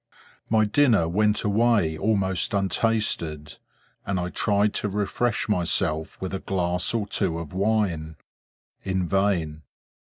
My dinner went away almost untasted, and I tried to refresh myself with a glass or two of wine. In vain.